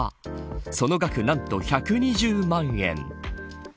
その額、何と１２０万円。